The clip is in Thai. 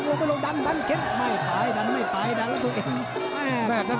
ก็ไม่ค่อยเป็นเบียง